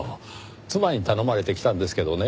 妻に頼まれて来たんですけどね